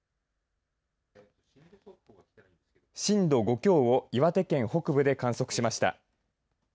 震度５強を岩手県北部で観測しました。